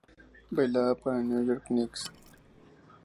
Bailaba para New York Knicks.